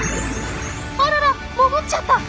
あらら潜っちゃった。